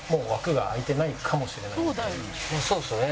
そうですよね。